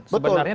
betul kaki kanan